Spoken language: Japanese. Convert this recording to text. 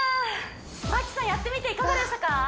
麻希さんやってみていかがでしたか？